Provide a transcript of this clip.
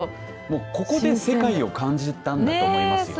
当時はきっとここで世界を感じたんだと思いますよ。